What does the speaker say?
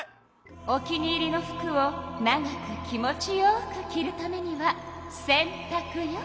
お気に入りの服を長く気持ちよく着るためには洗たくよ。